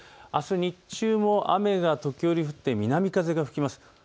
あすに日中は雨が時折、降って南風が吹きます。